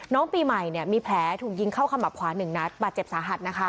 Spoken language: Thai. น้องปีใหม่มีแผลถูกยิงเข้าคำอับความหนึ่งนัดบาดเจ็บสาหัส